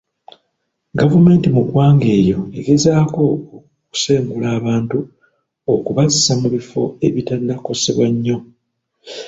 Gavumenti mu ggwanga eryo egezaako okusengula abantu okubazza mu bifo ebitannakosebwa nnyo.